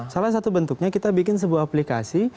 salah satu bentuknya kita bikin sebuah aplikasi